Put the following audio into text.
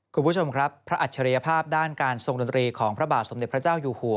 คุณผู้ชมครับพระอัจฉริยภาพด้านการทรงดนตรีของพระบาทสมเด็จพระเจ้าอยู่หัว